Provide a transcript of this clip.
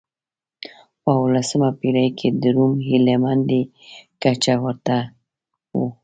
په اولسمه پېړۍ کې د روم هیله مندۍ کچه ورته و.